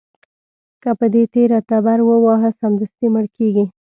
که په دې تېره تبر دې وواهه، سمدستي مړ کېږي.